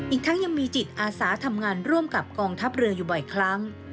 อีกทั้งยังมีจิตอาสาทำงานร่วมกับกองทัพเรืออยู่บ่อยครั้ง